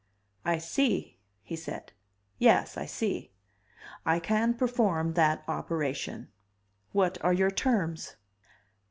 "I see," he said. "Yes, I see ... I can perform that operation. What are your terms?"